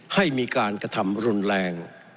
ให้มีการกระทำรุนแรง